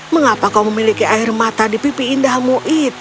mengapa kau memiliki air mata di pipi indahmu